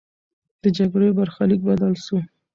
د جګړې برخلیک بدل سو.